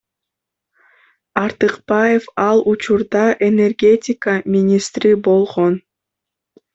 Артыкбаев ал учурда энергетика министри болгон.